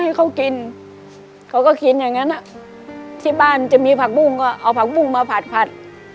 ให้เขากินเขาก็กินอย่างนั้นที่บ้านจะมีผักบุ้งก็เอาผักบุ้งมาผัด